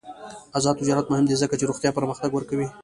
آزاد تجارت مهم دی ځکه چې روغتیا پرمختګ ورکوي.